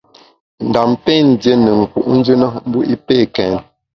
Ndam pé ndié ne nku’njù na mbu i pé kèn.